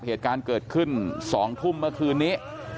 เหตุการณ์เกิดขึ้น๒ทุ่มเมื่อคืนนี้